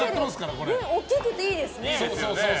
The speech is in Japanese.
大きくていいですね。